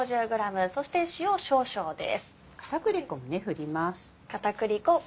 片栗粉も振ります。